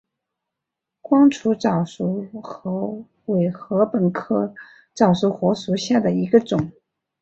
光轴早熟禾为禾本科早熟禾属下的一个种。